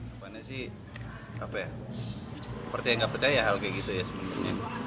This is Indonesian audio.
apaan sih apa ya percaya gak percaya hal kayak gitu ya sebenarnya